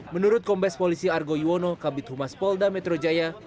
menurut kombes polisi argo yuwono kabit humas polda metro jaya